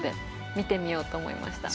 見てみようと思いました。